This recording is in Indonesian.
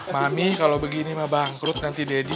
mami kalau begini mah bangkrut nanti deddy